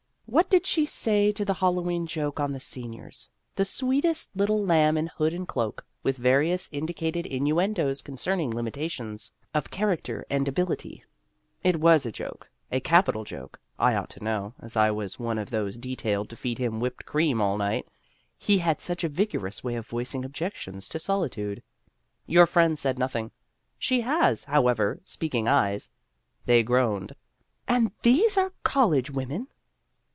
What did she say to the Hallowe'en joke on the seniors the sweetest little lamb in hood and cloak, with various indi cated innuendos concerning limitations of character and ability ? (It was a joke a capital Joke. I ought to know, as I was one of those detailed to feed him whipped cream all night ; he had such a vigorous way of voicing objections to solitude.) Your friend said nothing. She has, how ever, speaking eyes ; they groaned, " And these are college women